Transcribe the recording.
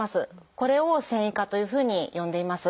これを「線維化」というふうに呼んでいます。